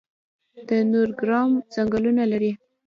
د نورګرام ځنګلونه لري